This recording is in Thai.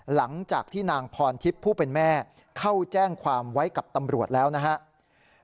หลังจากที่นางพรทิพย์ผู้เป็นแม่เข้าแจ้งความไว้กับตำรวจแล้วนะครับ